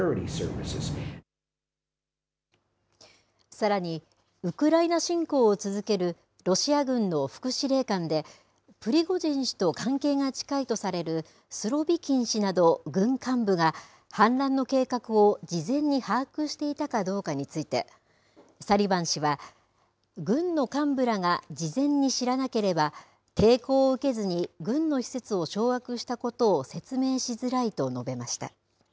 さらにウクライナ侵攻を続けるロシア軍の副司令官でプリゴジン氏と関係が近いとされるスロビキン氏など軍幹部が反乱の計画を事前に把握していたかどうかについてサリバン氏は軍の幹部らが事前に知らなければ抵抗を受けずに軍の施設を掌握したことを説明しづらいと述べました。